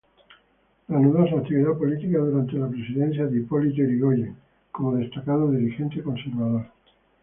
Reanudó su actividad política durante la presidencia de Hipólito Yrigoyen, como destacado dirigente conservador.